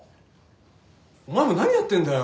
お前も何やってんだよ。